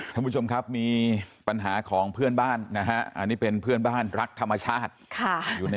ท่านผู้ชมครับมีปัญหาของเพื่อนบ้านนะฮะอันนี้เป็นเพื่อนบ้านรักธรรมชาติอยู่ใน